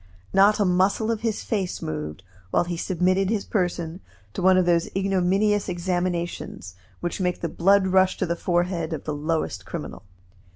Not a muscle of his face moved while he submitted his person to one of those ignominous examinations which make the blood rush to the forehead of the lowest criminal.